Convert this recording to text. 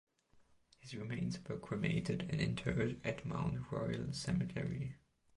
His remains were cremated and interred at Mount Royal Cemetery.